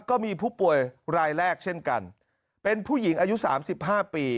ก็มีผู้ป่วยรายแรกเช่นกันเป็นผู้หญิงอายุสามสิบห้าปี